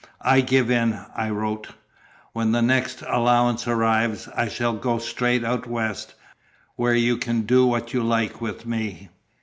"I give in," I wrote. "When the next allowance arrives, I shall go straight out West, where you can do what you like with me."